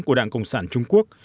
của đảng cộng sản trung quốc